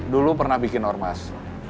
dulu pernah bikin ormas